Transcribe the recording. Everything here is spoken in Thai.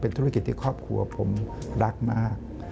ธุรกิจที่ครอบครัวผมรักมาก